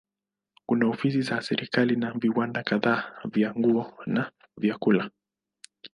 Kuna ofisi za serikali na viwanda kadhaa vya nguo na vyakula.